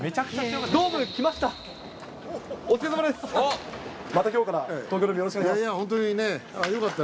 ドーム来ました。